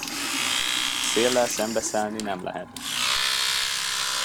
Széllel szembeszállni nem lehet.